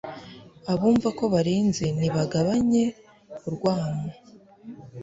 Abumva ko barenze nibagabanye urwamo